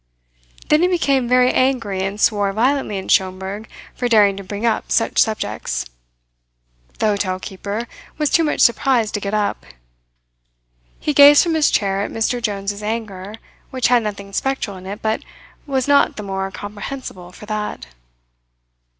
Then he became very angry, and swore violently at Schomberg for daring to bring up such subjects. The hotel keeper was too much surprised to get up. He gazed from his chair at Mr. Jones's anger, which had nothing spectral in it but was not the more comprehensible for that.